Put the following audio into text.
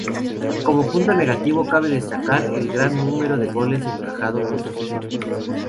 Como punto negativo cabe destacar el gran número de goles encajado por sus equipos.